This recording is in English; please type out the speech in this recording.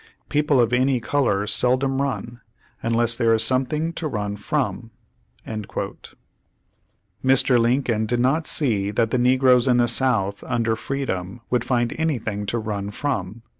People of any color seldom run, unless Page One Hundred sixteen there is something to run from." Mr. Lincoln did not see that the negroes in the South under freedom would find anything to run from.